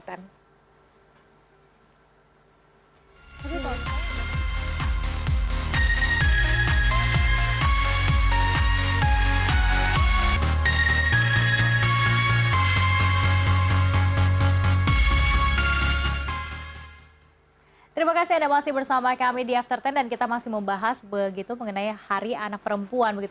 terima kasih sudah bersama kami di after sepuluh dan kita masih membahas mengenai hari anak perempuan